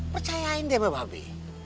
percayain deh be babi